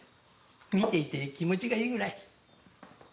見ていて気持ちがいいぐらい。